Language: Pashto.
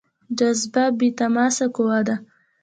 جاذبه بې تماس قوه ده.